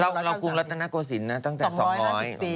เรากรุงรัฐนักโกสินตั้งแต่๒๕๐ปี